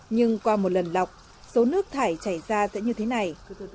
nhưng qua một lần lọc số nước thải chảy ra sẽ như thế này